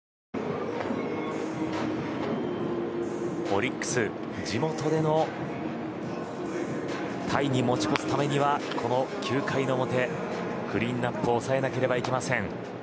オリックス、地元でタイに持ち込むためにはこの９回表クリーンアップを抑えなければいけません。